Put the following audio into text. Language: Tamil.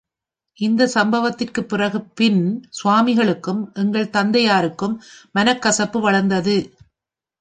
இந்தச் சம்பவத்திற்குப் பின் சுவாமிகளுக்கும், எங்கள் தந்தையாருக்கும் மனக் கசப்பு வளர்ந்தது.